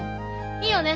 いいよね？